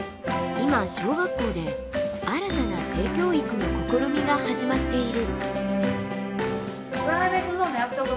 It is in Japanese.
今小学校で新たな性教育の試みが始まっている。